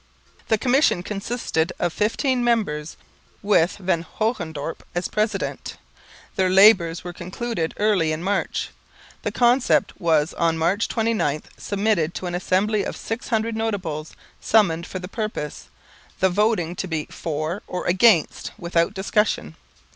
The Commission consisted of fifteen members, with Van Hogendorp as president. Their labours were concluded early in March. The concept was on March 29 submitted to an Assembly of six hundred notables, summoned for the purpose, the voting to be 'for' or 'against' without discussion.